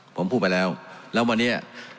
ผมพูดไปแล้วแล้ววันนี้